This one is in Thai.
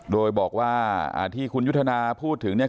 โดยบอกว่าที่คุณยุทธนาพูดถึงเนี่ย